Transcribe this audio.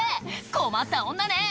「困った女ね」